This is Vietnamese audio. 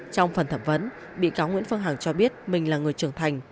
trong phần thẩm vấn bị cáo nguyễn phương hằng cho biết mình là người trưởng thành